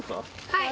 はい。